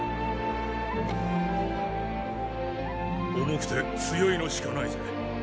重くて強いのしかないぜ。